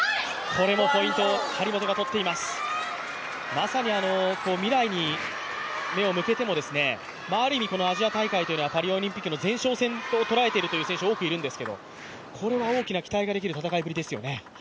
まさに未来に目を向けても、ある意味、このアジア大会というのはパリオリンピックの前哨戦と捉えている選手が多くいますがこれは大きな期待ができる戦いぶりですよね。